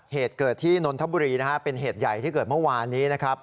เหตุเกิดที่นนทบุรีนะฮะเป็นเหตุใหญ่ที่เกิดเมื่อวานนี้นะครับ